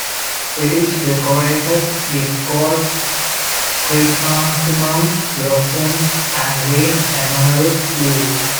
It is decorated with gold chrysanthemum blossoms and green-enamelled leaves.